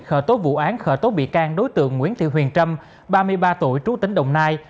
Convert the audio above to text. khởi tố vụ án khởi tố bị can đối tượng nguyễn thị huyền trâm ba mươi ba tuổi trú tỉnh đồng nai